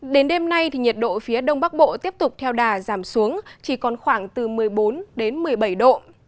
đến đêm nay nhiệt độ phía đông bắc bộ tiếp tục theo đà giảm xuống chỉ còn khoảng từ một mươi bốn đến một mươi bảy độ